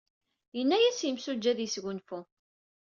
Yenna-as yimsujji ad yesgunfu.